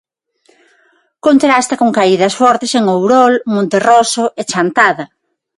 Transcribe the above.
Contrasta con caídas fortes en Ourol, Monterroso e Chantada.